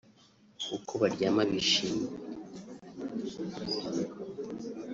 uko baryama bishimye